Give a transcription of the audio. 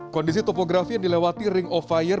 kondisi topografi yang dilewati ring of fire